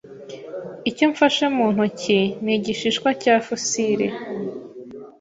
Icyo mfashe mu ntoki ni igishishwa cya fosile.